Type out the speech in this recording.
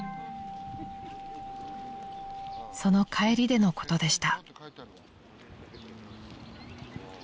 ［その帰りでのことでした］